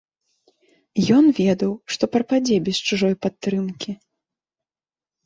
Ён ведаў, што прападзе без чужой падтрымкі.